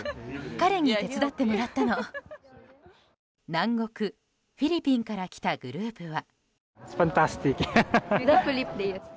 南国フィリピンから来たグループは。